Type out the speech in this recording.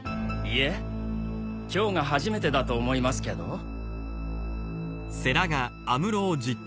いえ今日が初めてだと思いますけど？